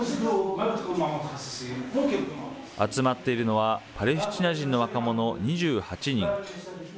集まっているのは、パレスチナ人の若者２８人。